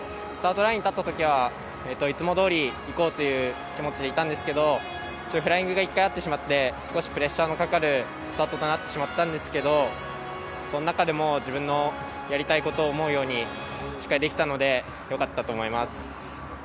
スタートラインに立ったときは、いつもどおりいこうという気持ちでいたんですけど、フライングが１回あってしまって、少しプレッシャーのかかるスタートとなってしまったんですけど、その中でも自分のやりたいことを思うようにしっかりできたので、よかったと思います。